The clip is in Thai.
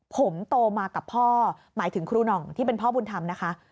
ผมโตมากับพ่อหมายถึงครูหน่องที่เป็นพ่อบุญธรรมนะคะ